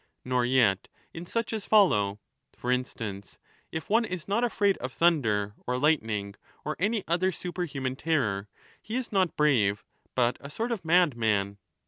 Nor yet in such as follow ; for instance, if one is not afraid of thunder or lightning or any other superhuman terror, he is not brave but a sort of madman.